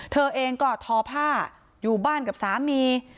เธอเองก็ทอผ้าอยู่บ้านกับสามี